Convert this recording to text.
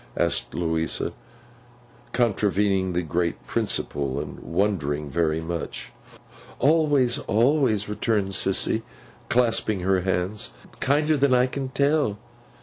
asked Louisa contravening the great principle, and wondering very much. 'Always, always!' returned Sissy, clasping her hands. 'Kinder and kinder than I can tell.